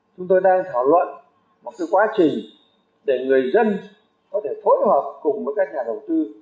chúng tôi đang thảo luận một quá trình để người dân có thể phối hợp cùng với các nhà đầu tư